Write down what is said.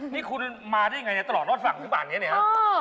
นี่คุณมาได้ยังไงเนี่ยตลอดรอดฝั่งถึงบ้านเนี่ยเนี่ย